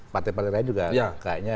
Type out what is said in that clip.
partai partai lain juga kayaknya